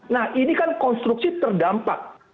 nah ini kan konstruksi terdampak